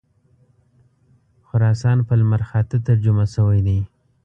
خراسان په لمرخاته ترجمه شوی دی.